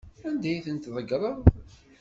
Anda ay ten-tḍeggreḍ?